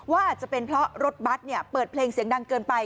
อาจจะเป็นเพราะรถบัตรเปิดเพลงเสียงดังเกินไป